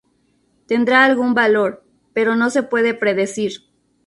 Tendrá algún valor, pero no se puede predecir.